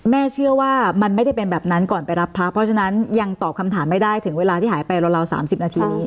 เชื่อว่ามันไม่ได้เป็นแบบนั้นก่อนไปรับพระเพราะฉะนั้นยังตอบคำถามไม่ได้ถึงเวลาที่หายไปราว๓๐นาทีนี้